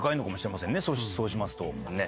そうしますと。